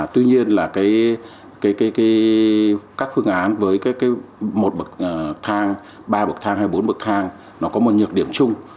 tuy nhiên là các phương án với một bậc thang ba bậc thang hay bốn bậc thang nó có một nhược điểm chung